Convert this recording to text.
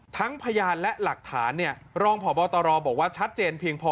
พยานและหลักฐานรองพบตรบอกว่าชัดเจนเพียงพอ